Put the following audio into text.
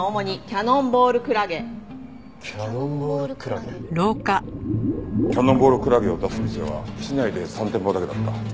キャノンボールクラゲを出す店は市内で３店舗だけだった。